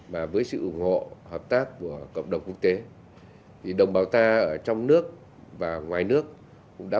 và với sự ủng hộ hợp tác của cộng đồng quốc tế